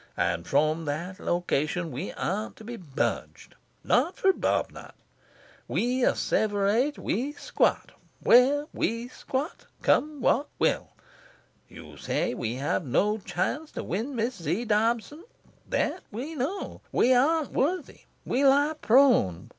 And from that location we aren't to be budged not for bob nuts. We asseverate we squat where we squat, come what will. You say we have no chance to win Miss Z. Dobson. That we know. We aren't worthy. We lie prone.